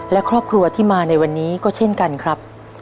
และครอบครัวที่มาในวันนี้ก็เช่นกันครับ